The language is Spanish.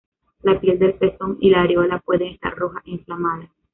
La piel del pezón y la areola puede estar roja e inflamada.